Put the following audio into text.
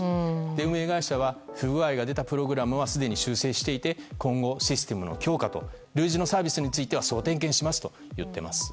運営会社は不具合が出たプログラムはすでに修正していて今後、システムの強化と類似のサービスについては総点検しますと言っています。